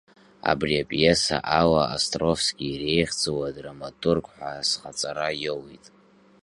Абри апиеса ала Островски иреиӷьӡоу адраматург ҳәа азхаҵара иоуит.